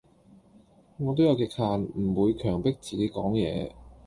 我都有極限，唔會強迫自己講嘢